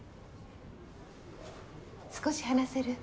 少し話せる？